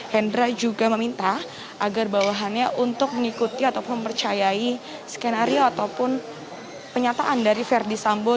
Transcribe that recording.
hendra juga meminta agar bawahannya untuk mengikuti ataupun mempercayai skenario ataupun penyataan dari verdi sambo